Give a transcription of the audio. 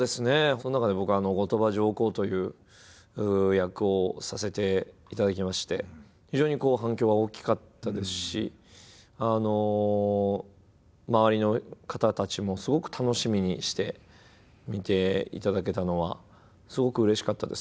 その中で僕は後鳥羽上皇という役をさせていただきまして非常に反響が大きかったですし周りの方たちもすごく楽しみにして見ていただけたのはすごくうれしかったですね。